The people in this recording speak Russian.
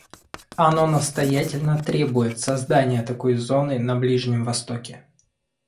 Оно настоятельно требует создания такой зоны на Ближнем Востоке.